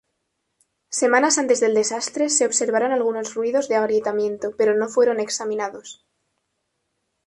Semanas antes del desastre, se observaron algunos ruidos de agrietamiento, pero no fueron examinados.